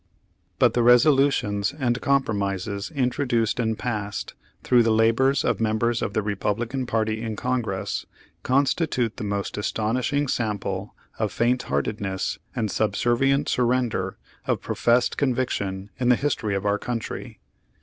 But the resolutions and compromises introduced and passed, through the labors of members of the Republican party in Congress, constitute the most astonishing sample of faintheartedness and sub servient surrender of professed conviction in the history of our country.